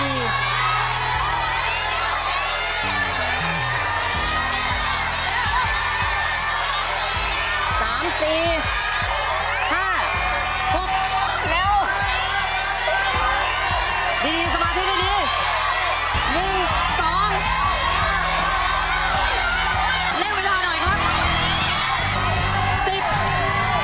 ๓๔๕๖เร็วสมาธิดี๑๒เริ่มเวลาหน่อยครับ๑๐เริ่มแถวที่๔แล้วค่ะ